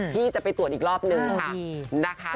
พี่จะไปตรวจอีกรอบนึงค่ะ